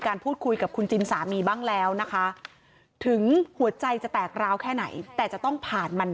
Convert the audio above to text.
พูดคุยกับคุณจินสามีบ้างแล้วนะคะถึงหัวใจจะแตกราวแค่ไหนแต่จะต้องผ่านมัน